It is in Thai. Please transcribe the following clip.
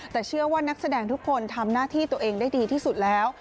แต่เชื่อว่านักแสดงทุกคนทำหน้าที่ตัวเองได้ดีที่สุดแล้ว